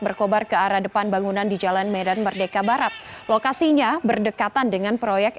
berkobar ke arah depan bangunan di jalan medan merdeka barat lokasinya berdekatan dengan proyek